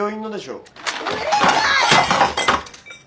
うるさい！